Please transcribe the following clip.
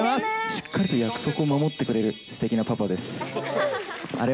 しっかりと約束を守ってくれる、すてきなパパです。